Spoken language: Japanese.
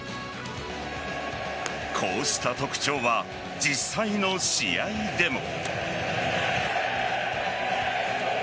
こうした特徴は実際の試合でも。